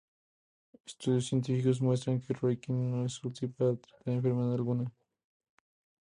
Estudios científicos demuestran que el "reiki" no es útil para tratar enfermedad alguna.